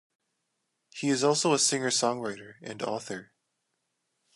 He is also a singer-songwriter, and author.